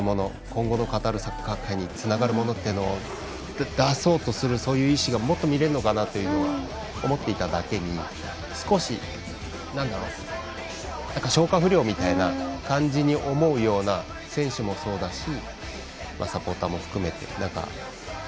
今後のカタールサッカー界につながるものっていうのを出そうとするそういう意思がもっと見れるのかなと思っていただけに少し、消化不良みたいな感じに思うような選手もそうだしサポーターも含めて。